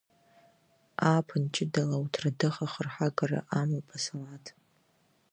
Ааԥын ҷыдала ауҭраҭых ахырҳагара амоуп, асалаҭ.